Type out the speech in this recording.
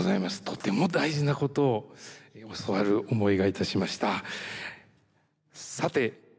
とても大事なことを教わる思いがいたしました。